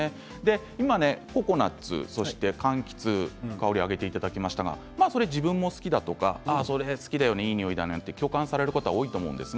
今、ココナツそして、かんきつ香りを挙げていただきましたが自分も好きだとかいい匂いだよねと共感される方多いと思います。